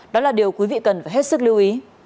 đó là điều quý vị cần phải hết sức lưu ý